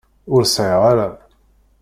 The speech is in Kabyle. Ur sεiɣ ara.